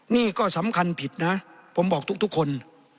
นี่ก็สำคัญผิดนะผมบอกทุกคน